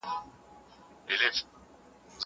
که وخت وي، لوبه کوم.